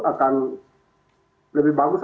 akan lebih bagus